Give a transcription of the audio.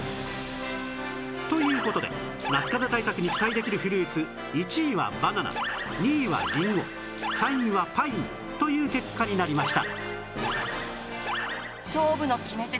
という事で夏かぜ対策に期待できるフルーツ１位はバナナ２位はりんご３位はパインという結果になりました